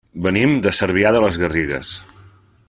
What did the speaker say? Venim de Cervià de les Garrigues.